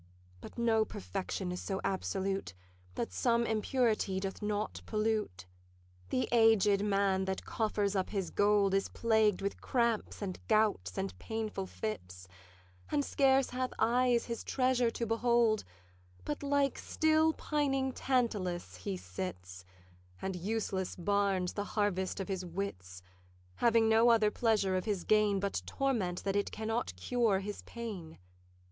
But no perfection is so absolute, That some impurity doth not pollute. 'The aged man that coffers up his gold Is plagued with cramps and gouts and painful fits; And scarce hath eyes his treasure to behold, But like still pining Tantalus he sits, And useless barns the harvest of his wits; Having no other pleasure of his gain But torment that it cannot cure his pain.